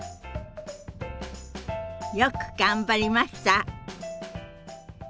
よく頑張りました。